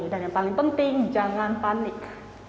dan yang paling penting jangan panik